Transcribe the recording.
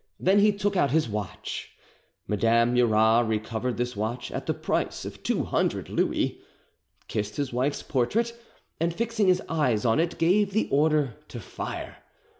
Then he took out his watch,[Madame Murat recovered this watch at the price of 200 Louis] kissed his wife's portrait, and fixing his eyes on it, gave the order to fire.